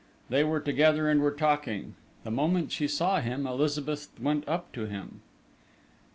They were together and were talking. The moment she saw him, Elizabeth went up to him.